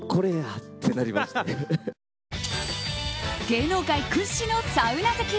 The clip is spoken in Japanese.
芸能界屈指のサウナ好き。